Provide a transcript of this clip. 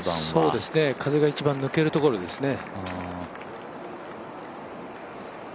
そうですね、風が一番抜けるところですね。